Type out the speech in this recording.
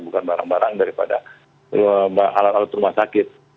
bukan barang barang daripada alat alat rumah sakit